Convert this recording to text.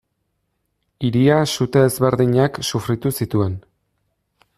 Hiria sute ezberdinak sufritu zituen.